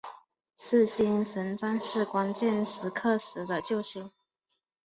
是星神战士关键时刻时的救星。